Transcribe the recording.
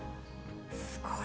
すごい。